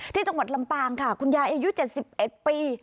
ที่จังหวัดลำปางค่ะคุณยายอายุเจ็ดสิบเอ็ดปี